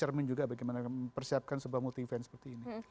cermin juga bagaimana mempersiapkan sebuah multi event seperti ini